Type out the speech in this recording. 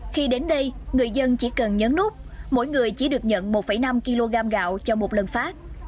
khi đến đây người dân chỉ cần nhấn nút mỗi người chỉ được nhận một năm kg gạo cho một lần phát